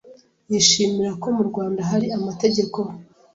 Yishimira ko mu Rwanda hari amategeko